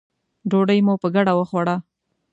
ډوډۍ مو په ګډه وخوړه.